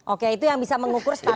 oke itu yang bisa mengukur stabilitas